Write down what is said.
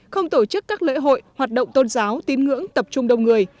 không tổ chức các lễ hội hoạt động tôn giáo tín ngưỡng tập trung đông người